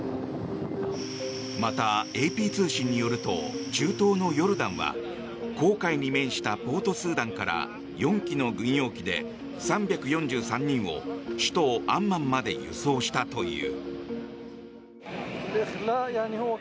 また、ＡＰ通信によると中東のヨルダンは紅海に面したポートスーダンから４機の軍用機で３４３人を首都アンマンまで輸送したという。